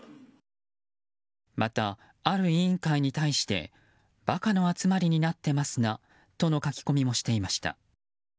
また、ある委員会に対して馬鹿の集まりになってますがとの書き込みもしていました。